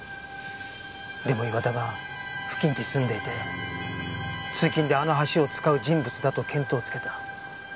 でも岩田が付近に住んでいて通勤であの橋を使う人物だと見当をつけた。